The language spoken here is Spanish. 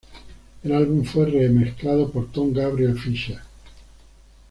El álbum fue re-mezclado por Tom Gabriel Fischer.